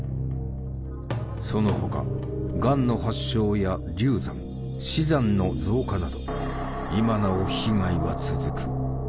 その他がんの発症や流産・死産の増加など今なお被害は続く。